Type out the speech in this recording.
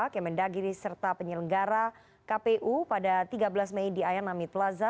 kementdagri serta penyelenggara kpu pada tiga belas mei di ayanamit plaza